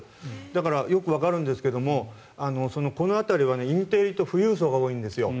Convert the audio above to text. だからよくわかるんですがこの辺りはインテリと富裕層が多いんですよ。